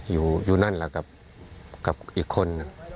อยู่อยู่นั่นแหละกับกับอีกคน